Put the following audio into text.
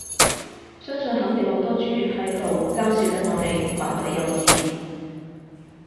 相信肯定好多豬喺度嘲笑緊我哋，話我哋幼稚